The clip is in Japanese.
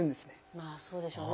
まあそうでしょうね。